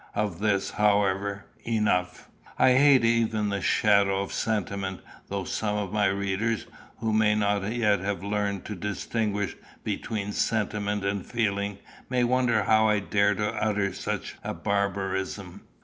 Of this, however, enough, I hate even the shadow of sentiment, though some of my readers, who may not yet have learned to distinguish between sentiment and feeling, may wonder how I dare to utter such a barbarism.